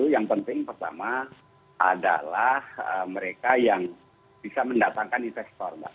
yang penting pertama adalah mereka yang bisa mendatangkan investor